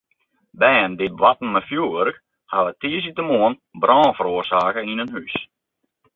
Bern dy't boarten mei fjoerwurk hawwe tiisdeitemoarn brân feroarsake yn in hús.